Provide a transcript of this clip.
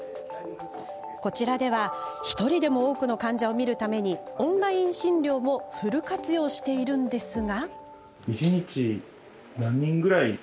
こちらでは１人でも多くの患者を診るためにオンライン診療もフル活用しているんですが。